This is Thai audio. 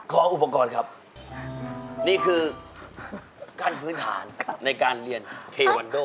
ขออุปกรณ์ครับนี่คือกั้นพื้นฐานในการเรียนเทวันโด